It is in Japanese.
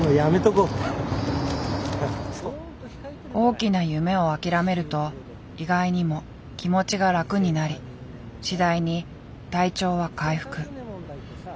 大きな夢を諦めると意外にも気持ちが楽になり次第に体調は回復。